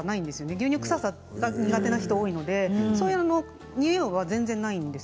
牛乳臭さが苦手な人が多いのでそういうにおいは全然ないです。